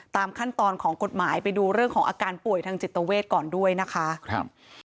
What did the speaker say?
ตามขั้นตอนของกฎหมายไปดูเรื่องของอาการป่วยทางจิตเวทก่อนด้วยนะคะครับ